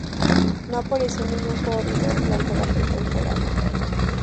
No apareció en ningún juego regular durante la pretemporada.